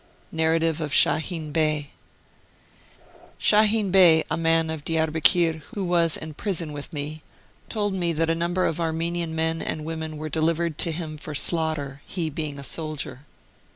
NARRATIVE OF SHAHIN BEY. Shahin Bey, a man of Diarbekir, who was in prison with me, told me that a number of Armenian men and women were delivered to him for slaughter, he, being a soldier.